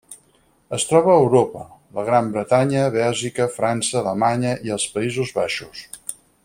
Es troba a Europa: la Gran Bretanya, Bèlgica, França, Alemanya i els Països Baixos.